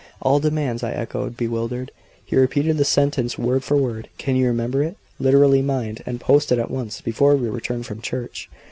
"All demands!" I echoed, bewildered. He repeated the sentence word for word. "Can you remember it? Literally, mind! And post it at once, before we return from church."